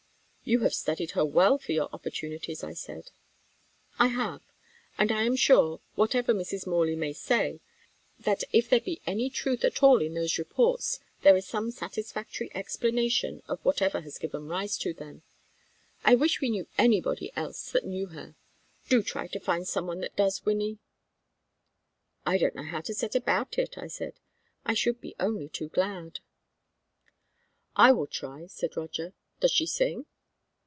"You have studied her well for your opportunities," I said. "I have; and I am sure, whatever Mrs. Morley may say, that, if there be any truth at all in those reports, there is some satisfactory explanation of whatever has given rise to them. I wish we knew anybody else that knew her. Do try to find some one that does, Wynnie." "I don't know how to set about it," I said. "I should be only too glad." "I will try," said Roger. "Does she sing?"